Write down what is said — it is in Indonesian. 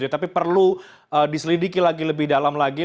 tapi perlu diselidiki lagi lebih dalam lagi